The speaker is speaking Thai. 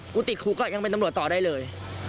ติดคุกก็ยังเป็นตำรวจต่อได้เลย